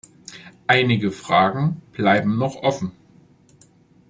Einige Fragen bleiben noch offen.